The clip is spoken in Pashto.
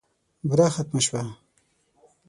بوره ختمه شوه .